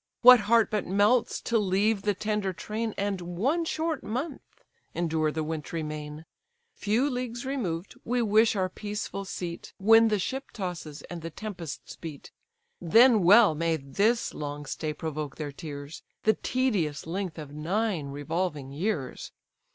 What heart but melts to leave the tender train, And, one short month, endure the wintry main? Few leagues removed, we wish our peaceful seat, When the ship tosses, and the tempests beat: Then well may this long stay provoke their tears, The tedious length of nine revolving years.